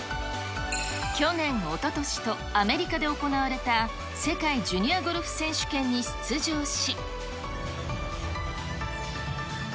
去年、おととしとアメリカで行われた世界ジュニアゴルフ選手権に出場し。